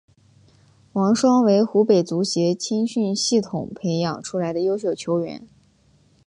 王霜为湖北足协青训系统培养出来的优秀球员。